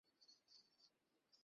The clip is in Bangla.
আমার বুট পরিষ্কার কর।